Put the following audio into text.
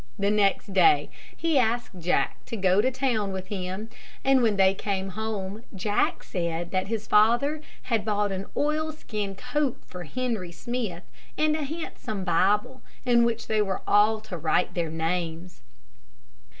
The next day he asked Jack to go to town with him, and when they came home, Jack said that his father had bought an oil skin coat for Henry Smith, and a handsome Bible, in which they were all to write their names.